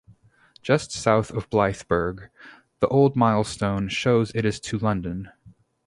Just south of Blythburgh, the old milestone shows it is to London.